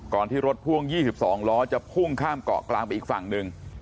ก่อนที่รถพ่วงยี่สิบสองล้อจะพุ่งข้ามเกาะกลางไปอีกฝั่งหนึ่ง